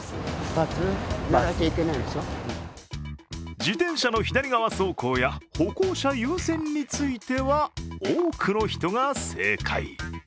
自転車の左側走行や歩行者優先については多くの人が正解。